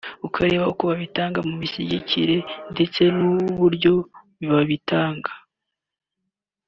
ukareba uko bitanga mu kumushyigikira ndetse n’uburyo bibarenga